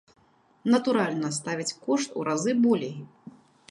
Натуральна, ставяць кошт у разы болей.